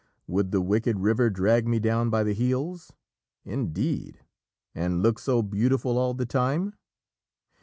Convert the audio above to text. Would the wicked river drag me down by the heels, indeed? and look so beautiful all the time?